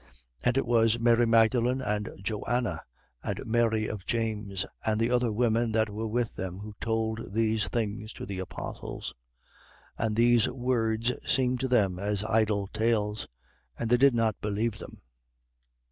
24:10. And it was Mary Magdalen and Joanna and Mary of James and the other women that were with them, who told these things to the apostles. 24:11. And these words seemed to them as idle tales: and they did not believe them.